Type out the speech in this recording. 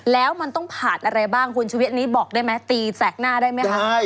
แล้วมันต้องผ่านอะไรบ้างคุณชุวิตนี้บอกได้ไหมตีแสกหน้าได้ไหมคะ